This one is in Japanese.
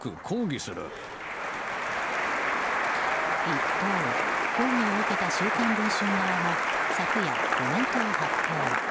一方、抗議を受けた「週刊文春」側も昨夜、コメントを発表。